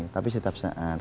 tapi setiap saat